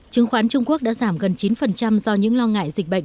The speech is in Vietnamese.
chứng khoán trung quốc đã giảm gần chín do những lo ngại dịch bệnh